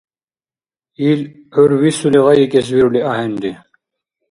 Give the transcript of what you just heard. Ил, гӀур висули гъайикӀес вирули ахӀенри.